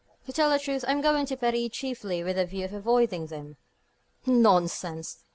To tell the truth, I'm going to Paris chiefly with a view of avoiding them." "Nonsense!